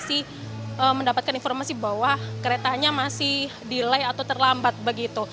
seperti yang saya katakan mereka masih mendapatkan informasi bahwa keretanya masih delay atau terlambat begitu